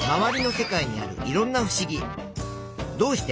どうして？